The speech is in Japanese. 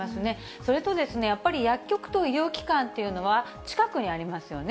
それとやっぱり、薬局と医療機関っていうのは、近くにありますよね。